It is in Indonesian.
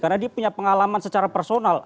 karena dia punya pengalaman secara personal